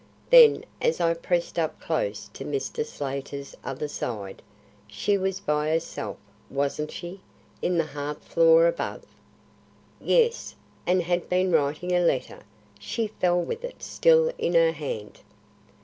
Then, as I pressed up close to Mr. Slater's other side, "She was by herself, wasn't she, in the half floor above?" "Yes, and had been writing a letter. She fell with it still in her hand."